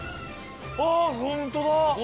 ああホントだ。